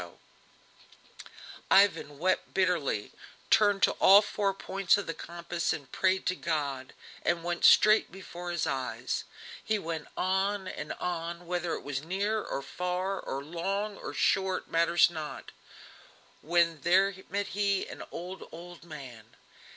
] Ivan wept bitterly, turned to all four points of the compass and prayed to God, and went straight before his eyes. He went on and on, whether it was near or far, or long or short, matters not; when there met him an old, old man.